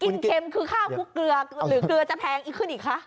เค็มคือข้าวคุกเกลือหรือเกลือจะแพงอีกขึ้นอีกคะ